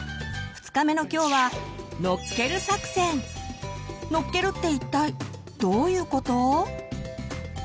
２日目のきょうはのっけるって一体どういうこと？